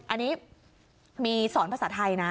อันนี้มีสอนภาษาไทยนะ